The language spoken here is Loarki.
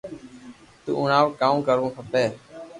تو ھڻاو ڪاو ڪروو کپي